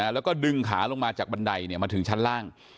แล้วก็ดึงขาลงมาจากบันไดมาถึงชั้นล่าง